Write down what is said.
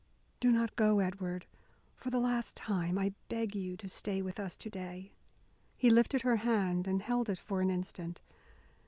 "Do not go, Edward. For the last time I beg you to stay with us to day." He lifted her hand and held it for an instant.